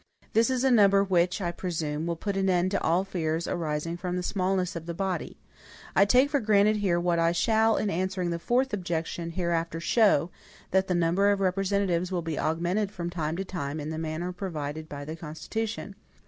This is a number which, I presume, will put an end to all fears arising from the smallness of the body. I take for granted here what I shall, in answering the fourth objection, hereafter show, that the number of representatives will be augmented from time to time in the manner provided by the Constitution.